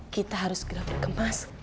kita harus grafis kemas